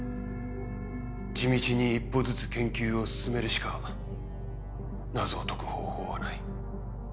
地道に一歩ずつ研究を進めるしか謎を解く方法はない。